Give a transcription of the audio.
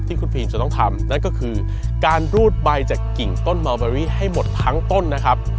ที่คุณฟิล์มจะต้องทำนั่นก็คือการรูดใบจากกิ่งต้นเมาเบอรี่ให้หมดทั้งต้นนะครับ